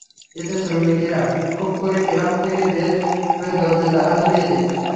এতে শ্রমিকেরা বিক্ষোভ করে ক্লাব থেকে বের হয়ে দরজায় তালা ঝুলিয়ে দেন।